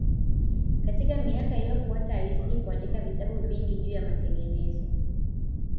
Katika miaka iliyofuata alizidi kuandika vitabu vingi juu ya matengenezo